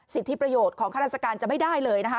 สิทธิประโยชน์ของข้าราชการจะไม่ได้เลยนะคะ